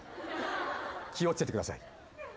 気を付けてください。